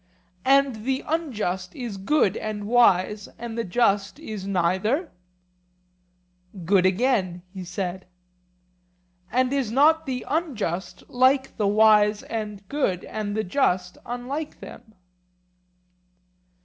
And the unjust is good and wise, and the just is neither? Good again, he said. And is not the unjust like the wise and good and the just unlike them?